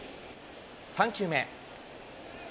３球目。